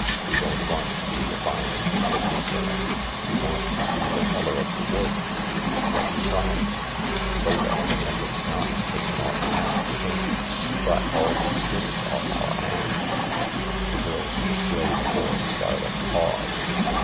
"We don't want to be refined/' said Lucilla ; "we want to see the colour of the wood." "What you tried? " "Soda— and it's not taken off half the paint, but all the skin's off our hands I " The girls displayed four scarlet paws.